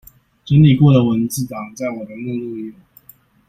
整理過的文字檔在我的目錄有